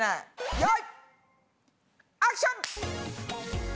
よい！